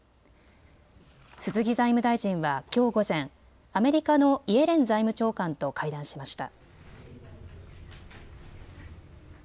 鈴木財務大臣はきょう午前、アメリカのイエレン財務長官と会談しました。